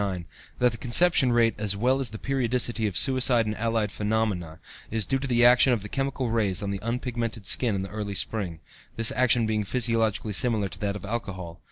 1909) that the conception rate, as well as the periodicity of suicide and allied phenomena, is due to the action of the chemical rays on the unpigmented skin in early spring, this action being physiologically similar to that of alcohol.